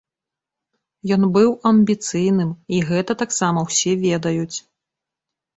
Ён быў амбіцыйным, і гэта таксама ўсе ведаюць.